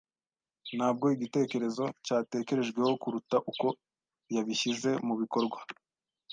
Ntabwo igitekerezo cyatekerejweho kuruta uko yabishyize mubikorwa.